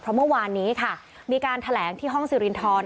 เพราะเมื่อวานนี้ค่ะมีการแถลงที่ห้องสิรินทร